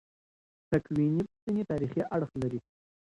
تکویني پوښتنې تاریخي اړخ لري.